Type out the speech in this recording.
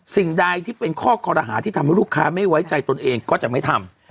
สิ่งใดที่เป็นข้อคอรหาที่ทำให้ลูกค้าไม่ไว้ใจตนเองก็จะไม่ทำ